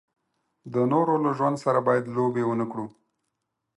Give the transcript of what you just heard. د نورو له ژوند سره باید لوبې و نه کړو.